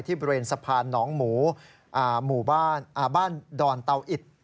ที่เร่งสะพานหนองหมูบ้านดอนเตาอิด